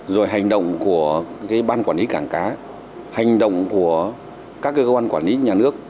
rồi hành động của ban quản lý cảng cá hành động của các cơ quan quản lý nhà nước